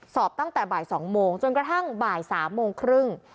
สอบตั้งแต่บ่าย๒โมงจนกระทั่งบ่าย๓โมงครึ่ง